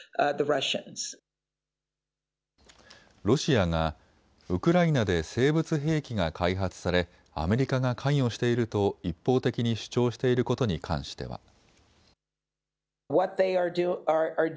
ロシアがウクライナで生物兵器が開発されアメリカが関与していると一方的に主張していることに関しては。